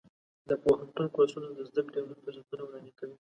د پوهنتون کورسونه د زده کړې لوی فرصتونه وړاندې کوي.